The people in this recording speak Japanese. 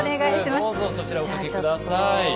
どうぞそちらおかけ下さい。